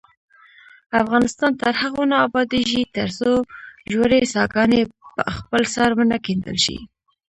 افغانستان تر هغو نه ابادیږي، ترڅو ژورې څاګانې په خپل سر ونه کیندل شي.